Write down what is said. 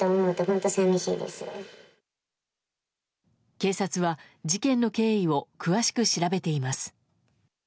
警察は事件の経緯を詳しく調べています。